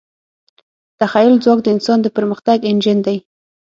د تخیل ځواک د انسان د پرمختګ انجن دی.